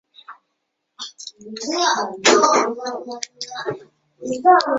法国元帅和第三代旺多姆公爵。